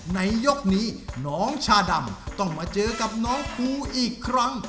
ในยกนี้น้องชาดำต้องมาเจอกับน้องภูอีกครั้ง